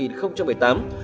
trong ba đoạn kết luận